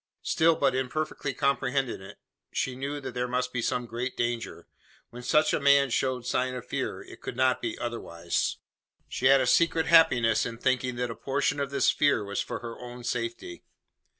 Still but imperfectly comprehending it, she knew there must be some great danger. When such a man showed sign of fear, it could not be otherwise. She had a secret happiness in thinking: that a portion of this fear was for her own safety.